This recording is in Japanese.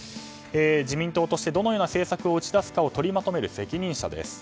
自民党としてどのような政策を打ち出すか取りまとめる責任者です。